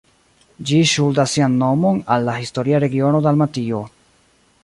Ĝi ŝuldas sian nomon al la historia regiono Dalmatio.